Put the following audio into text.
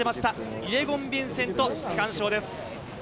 イェゴン・ヴィンセント、区間賞です。